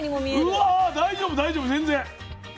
うわ大丈夫大丈夫全然。